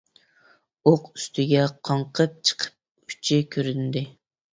ئوق ئۈستىگە قاڭقىپ چىقىپ ئۇچى كۆرۈندى.